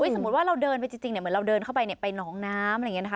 สมมุติว่าเราเดินไปจริงเหมือนเราเดินเข้าไปไปหนองน้ำอะไรอย่างนี้นะคะ